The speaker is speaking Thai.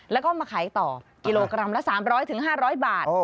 แล้วก็มาขายต่อกิโลกรัมละ๓๐๐๕๐๐บาท